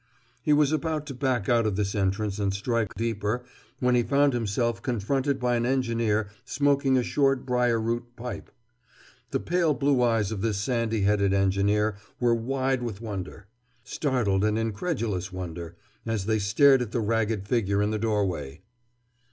He was about to back out of this entrance and strike still deeper when he found himself confronted by an engineer smoking a short brier root pipe. The pale blue eyes of this sandy headed engineer were wide with wonder, startled and incredulous wonder, as they stared at the ragged figure in the doorway.